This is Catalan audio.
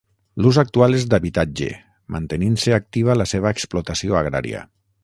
L'ús actual és d'habitatge, mantenint-se activa la seva explotació agrària.